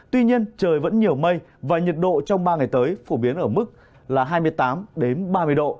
tuy nhiên trời vẫn nhiều mây và nhiệt độ trong ba ngày tới phổ biến ở mức là hai mươi tám ba mươi độ